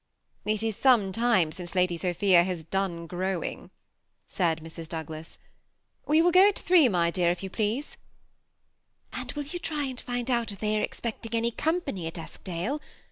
^^ It is some time since Lad j Sophia has done grow ing," said Mrs. Douglas. ^ We will go at three, my dear, if 70a please." " And will you tiy and find out if they are expecting any company at Eskdale?"